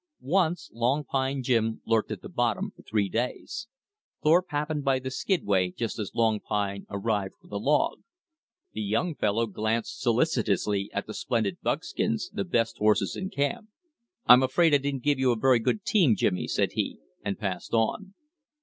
Once Long Pine Jim lurked at the bottom for three days. Thorpe happened by the skidway just as Long Pine arrived with a log. The young fellow glanced solicitously at the splendid buckskins, the best horses in camp. "I'm afraid I didn't give you a very good team, Jimmy," said he, and passed on.